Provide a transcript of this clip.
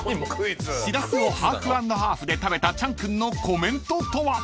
［しらすをハーフ＆ハーフで食べたチャン君のコメントとは？］